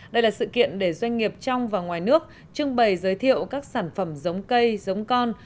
đây là sự kiện để doanh nghiệp trong và ngoài nước trưng bày giới thiệu các sản phẩm giống cây giống con